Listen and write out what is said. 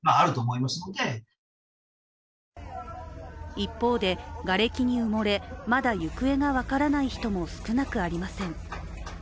一方でがれきに埋もれ、まだ行方が分からない人も少なくありません。